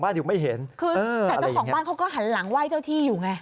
แต่ต้องของบ้านเขาก็หันหลังไหว้เจ้าที่อยู่ไง